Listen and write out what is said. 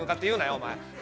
お前。